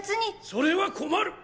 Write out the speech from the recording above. それは困る。